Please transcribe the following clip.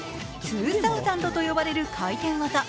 ツーサウザンドと呼ばれる回転技。